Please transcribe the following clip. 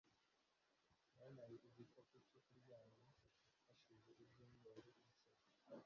yampaye igikapu cyo kuryama hashize ibyumweru bike.